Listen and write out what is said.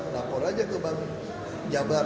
lapor aja ke bank jabar